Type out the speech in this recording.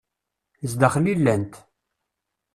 Zdaxel i llant.